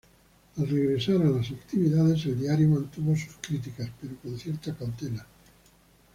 Al regresar a las actividades, el diario mantuvo sus críticas, pero con cierta cautela.